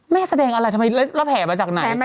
แสดงอะไรทำไมแล้วแผลมาจากไหน